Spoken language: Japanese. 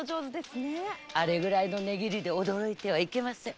あれぐらいの値切りで驚いてはいけません。